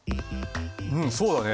うんそうだね。